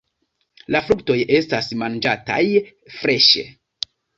La fruktoj estas manĝataj freŝe.